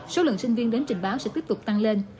số lượng sinh viên đến trình báo sẽ tiếp tục tăng lên